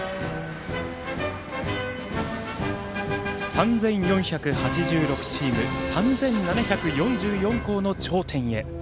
３４８６ チーム３７４４校の頂点へ。